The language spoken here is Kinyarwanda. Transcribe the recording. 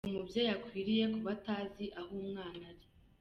Ntabwo umubyeyi akwiriye kuba atazi aho umwana ari.